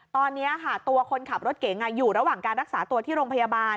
ตอนนี้ค่ะตัวคนขับรถเก๋งอยู่ระหว่างการรักษาตัวที่โรงพยาบาล